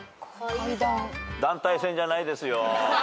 団体戦じゃないですよ。